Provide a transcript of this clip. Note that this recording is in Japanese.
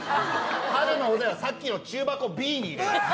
春の尾瀬はさっきの中箱Ｂに入れる。